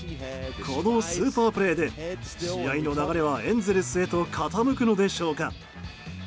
このスーパープレーで試合の流れはエンゼルスへと傾くのでしょうか。